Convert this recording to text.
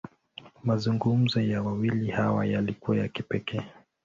Mazungumzo ya wawili hawa, yalikuwa ya kipekee.